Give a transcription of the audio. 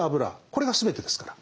これが全てですから。